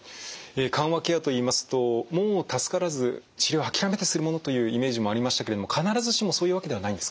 緩和ケアといいますともう助からず治療を諦めてするものというイメージもありましたけれども必ずしもそういうわけではないんですか？